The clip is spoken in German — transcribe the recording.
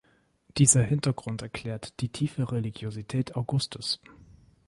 Dieser Hintergrund erklärt die tiefe Religiosität Augustes.